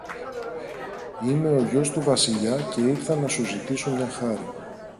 είμαι ο γιος του Βασιλιά και ήρθα να σου ζητήσω μια χάρη.